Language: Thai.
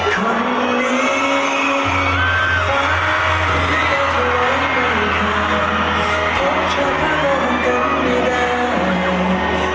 ถ้าไม่ได้เธอไว้ไว้ข้างพบฉันพระมนุษย์กันไม่ได้